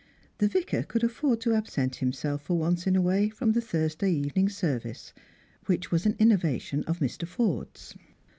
The Vicar could afibrd to absent himself for once in a way from the Thurs day evening service, which was an innovation of Mr. Forde's.